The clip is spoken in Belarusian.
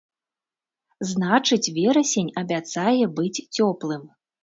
Значыць, верасень абяцае быць цёплым.